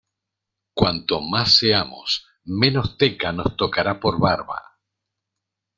Cuanto más seamos, menos teca nos tocará por barba.